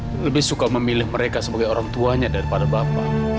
saya lebih suka memilih mereka sebagai orang tuanya daripada bapak